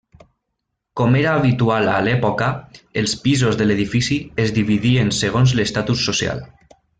Com era habitual a l’època, els pisos de l’edifici es dividien segons l’estatus social.